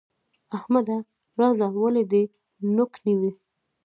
احمده! راځه ولې دې نوک نيو؟